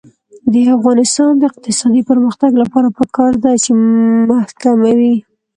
د افغانستان د اقتصادي پرمختګ لپاره پکار ده چې محکمه وي.